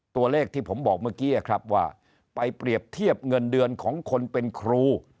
ตัวเลขที่ผมบอกเมื่อกี้ครับว่าไปเปรียบเทียบเงินเดือนของคนเป็นครู